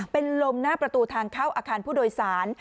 เป็นลมหน้าประตูทางเข้าอาคารผู้โดยสาร